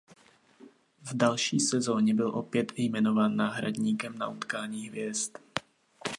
V další sezoně byl opět jmenován náhradníkem na Utkání hvězd.